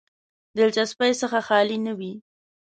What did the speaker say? دلچسپۍ څخه خالي نه وي.